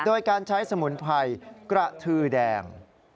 โดยการใช้สมุนไพรกระทือแดง